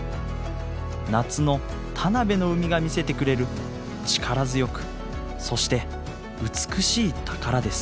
夏の田辺の海が見せてくれる力強くそして美しい宝です。